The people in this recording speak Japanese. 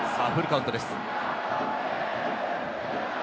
フルカウントです。